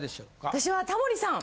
私はタモリさん！